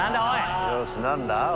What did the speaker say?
何だ？